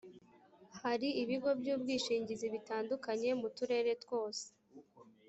hari ibigo by’ubwishingizi bitandukanye mu turere twose